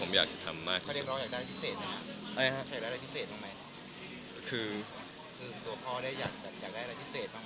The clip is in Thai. ตัวผ่อนอยากได้อะไรพิเศษบ้างไหม